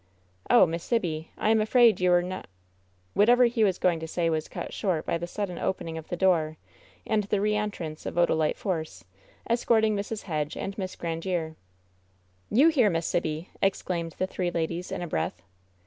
"Oh, Miss Sibby 1 I am afraid you are no ^" Whatever he was going to say was cut short by the sudden opening of the door, and the reentrance of Oda lite Force, escorting Mrs. Hedge and Miss Grandiere. "You here, Miss Sibby ?" exclaimed the three ladies, in a breath.